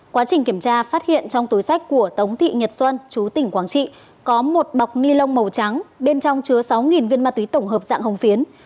quá trình kiểm tra phát hiện trong túi sách của tống thị nhật xuân chú tỉnh quảng trị có một bọc ni lông màu trắng bên trong chứa sáu viên ma túy tổng hợp dạng hồng phiến